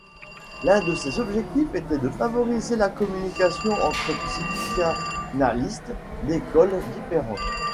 L'un de ses objectifs était de favoriser la communication entre psychanalystes d'écoles différentes.